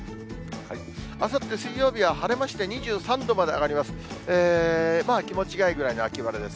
あさって水曜日は晴れまして、２３度まで上がります。